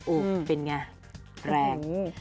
โอ๊ยเป็นอย่างไรแรง